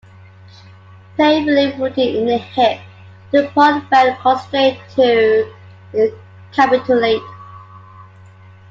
Painfully wounded in the hip, Dupont felt constrained to capitulate.